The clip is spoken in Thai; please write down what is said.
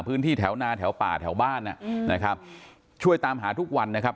พื้นที่แถวนาแถวป่าแถวบ้านอ่ะอืมนะครับช่วยตามหาทุกวันนะครับ